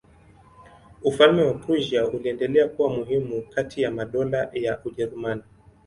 Ufalme wa Prussia uliendelea kuwa muhimu kati ya madola ya Ujerumani.